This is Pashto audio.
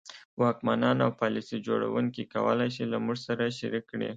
واکمنان او پالیسي جوړوونکي کولای شي له موږ سره شریک کړي.